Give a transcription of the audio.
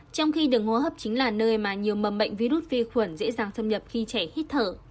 trong khi đường hô hấp chính là nơi mà nhiều mầm bệnh virus vi khuẩn dễ dàng thâm nhập khi trẻ hít thở